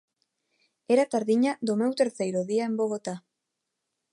Era a tardiña do meu terceiro día en Bogotá.